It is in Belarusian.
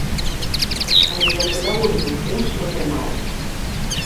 Але я задаволены тым, што атрымалася.